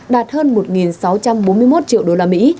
đạt hơn một sáu trăm bốn mươi một triệu đô la mỹ